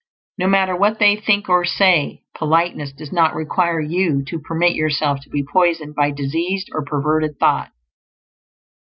No matter what they think or say; politeness does not require you to permit yourself to be poisoned by diseased or perverted thought.